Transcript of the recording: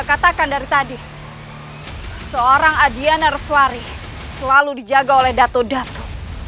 katakan dari tadi seorang adhiana reswari selalu dijaga oleh datu datu